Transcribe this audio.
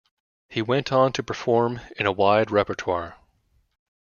He went on to perform in a wide repertoire.